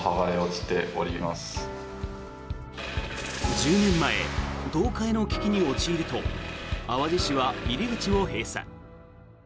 １０年前、倒壊の危機に陥ると淡路市は入り口を閉鎖。